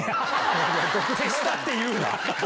手下って言うな。